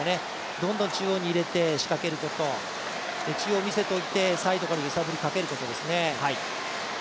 どんどん中央に入れて仕掛けること、中央を見せておいてサイドから揺さぶりをかけることですね。